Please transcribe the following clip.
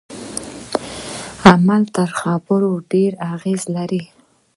عمل تر خبرو ډیر اغیز لري.